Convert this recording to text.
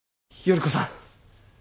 依子さん。